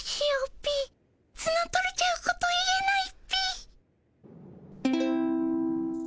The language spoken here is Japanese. ピツノ取れちゃうこと言えないっピ。